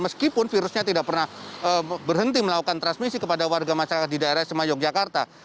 meskipun virusnya tidak pernah berhenti melakukan transmisi kepada warga masyarakat di daerah sema yogyakarta